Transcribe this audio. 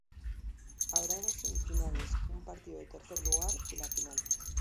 Habrá dos semifinales, un partido de tercer lugar y la final.